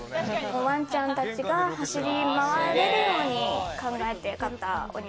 ワンちゃんたちが走り回れるように考えて買ったお庭。